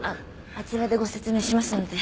あちらでご説明しますので。